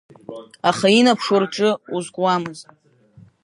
Аха инаԥшуа рҿы узкуамызт…